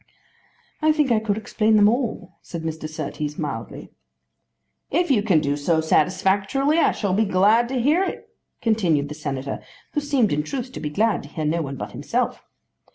"I think I could explain them all," said Mr. Surtees mildly. "If you can do so satisfactorily, I shall be very glad to hear it," continued the Senator, who seemed in truth to be glad to hear no one but himself.